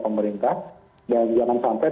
pemerintah dan jangan sampai